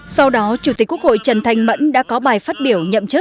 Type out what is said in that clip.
sau đó chủ tịch quốc hội trần thanh mẫn đã có bài phát biểu nhậm chức